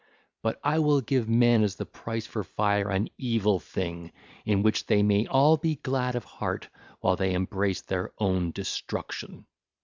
But I will give men as the price for fire an evil thing in which they may all be glad of heart while they embrace their own destruction.